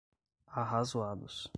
arrazoados